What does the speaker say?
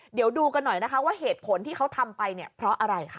เดี๋ยวดูกันหน่อยนะคะว่าเหตุผลที่เขาทำไปเนี่ยเพราะอะไรค่ะ